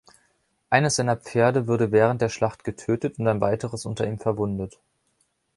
Eines seiner Pferde würde während der Schlacht getötet und ein weiteres unter ihm verwundet.